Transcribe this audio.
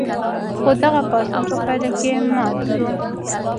خو دغه پاڅون په پایله کې مات شو.